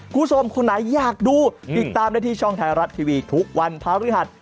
คุณผู้ชมคนไหนอยากดูติดตามได้ที่ช่องไทยรัฐทีวีทุกวันพระฤหัส